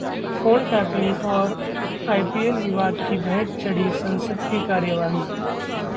phone tapping और IPL विवाद की भेंट चढी संसद की कार्यवाही